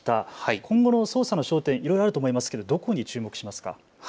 今後の捜査の焦点、いろいろあると思いますがどこに注目しますか。